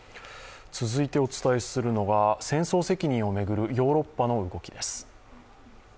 続いてお伝えするのは、戦争責任を巡るヨーロッパの動きです。